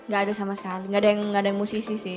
gak ada sama sekali nggak ada yang musisi sih